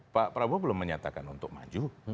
pak prabowo belum menyatakan untuk maju